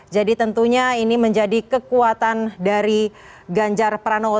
tentunya ini menjadi kekuatan dari ganjar pranowo